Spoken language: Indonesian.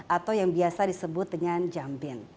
atau yang biasa disebut dengan jambin